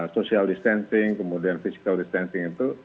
sosial distancing kemudian physical distancing